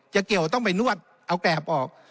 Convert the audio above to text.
เกี่ยวต้องไปนวดเอาแกรบออก